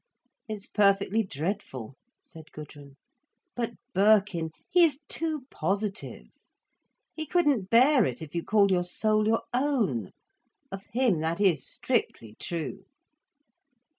"It's perfectly dreadful," said Gudrun. "But Birkin—he is too positive. He couldn't bear it if you called your soul your own. Of him that is strictly true."